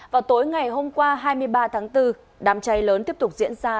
vào tối ngày hôm qua hai mươi ba tháng bốn đám cháy lớn tiếp tục diễn ra